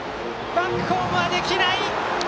バックホームはできない！